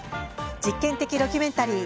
実験的ドキュメンタリー